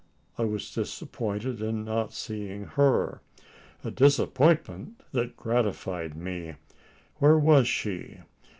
I was disappointed in not seeing her a disappointment that gratified me. Where was she?